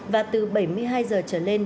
và từ bảy mươi hai h trở lên